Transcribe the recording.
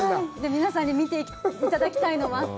皆さんに見ていただきたいのもあって。